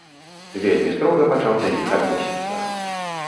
Вельмі строга пачаў да іх адносіцца.